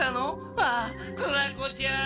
ああクラコちゃん！